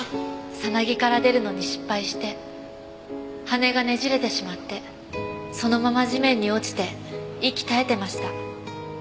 さなぎから出るのに失敗して羽がねじれてしまってそのまま地面に落ちて息絶えてました。